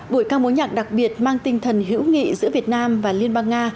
buổi ca mối nhạc đặc biệt mang tinh thần hữu nghị giữa việt nam và liên bang nga